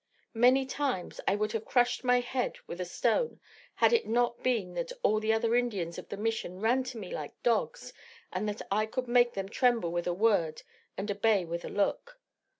Many times I would have crushed my head with a stone had it not been that all the other Indians of the Mission ran to me like dogs, and that I could make them tremble with a word and obey with a look.